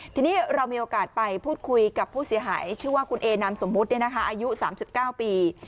ทีนี้เรามีโอกาสไปพูดคุยกับผู้เสียหายชื่อว่าคุณเอนามสมมุติอายุ๓๙ปี